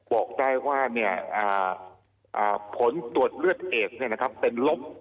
บอกได้ว่าผลตรวจเลือดเอสเป็นลบ